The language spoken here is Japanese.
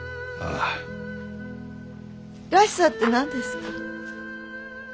らしさって何ですか？